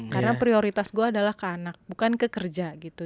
karena prioritas gue adalah ke anak bukan ke kerja gitu